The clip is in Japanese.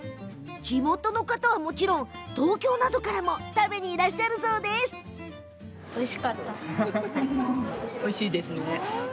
地元はもちろん、東京などからも食べにいらっしゃるそうですよ。